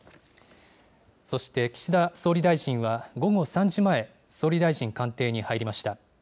そして、岸田総理大臣は、午後３時前、総理大臣官邸に入りました。